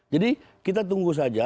jadi kita tunggu saja